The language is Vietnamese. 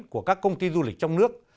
của các công ty du lịch trong nước